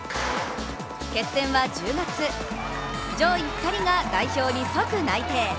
決戦は１０月、上位２人が代表に即内定。